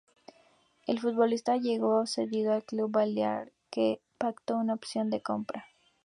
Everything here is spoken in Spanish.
El futbolista llegó cedido al club balear, que pactó una opción de compra.